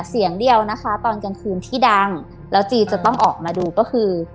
เสียงเดียวนะคะตอนกลางคืนที่ดังแล้วจีจะต้องออกมาดูก็คือ